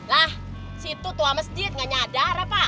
lah situ tua mesjid ga nyadar apa